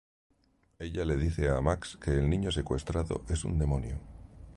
Ella le dice a Max que el niño secuestrado es un demonio.